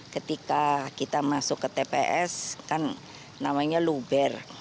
ketika kita masuk ke tps kan namanya luber